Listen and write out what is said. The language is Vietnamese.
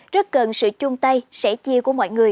rất cần sự chung tay sẻ chia của mọi người